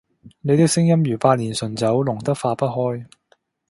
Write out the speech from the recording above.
你的聲音如百年純酒，濃得化不開。